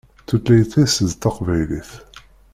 Tutlayt-is d taqbaylit.